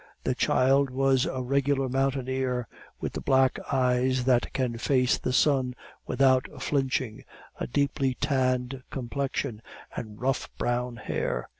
The child was a regular mountaineer, with the black eyes that can face the sun without flinching, a deeply tanned complexion, and rough brown hair.